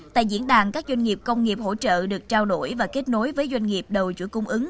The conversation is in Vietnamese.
tại diễn đàn các doanh nghiệp công nghiệp hỗ trợ được trao đổi và kết nối với doanh nghiệp đầu chuỗi cung ứng